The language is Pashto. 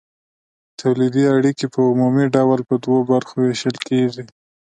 تولیدي اړیکې په عمومي ډول په دوو برخو ویشل کیږي.